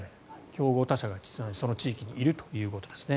競合他社がその地域にいるということですね。